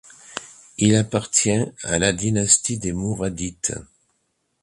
Il appartient à la dynastie des Mouradites.